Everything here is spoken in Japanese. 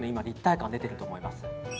立体感が出ていると思います。